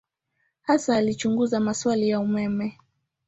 Hasa alichunguza maswali ya umeme.